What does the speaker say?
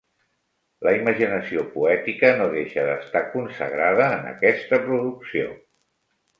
La imaginació poètica no deixa d’estar consagrada en aquesta producció.